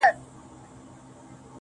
فیلوسوفي د دې ټولو پوهنو په برخه کې